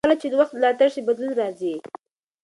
کله چې نوښت ملاتړ شي، بدلون راځي.